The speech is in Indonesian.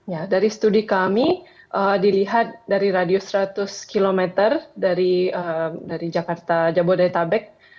ya dari studi kami dilihat dari radius seratus km dari jakarta jabodetabek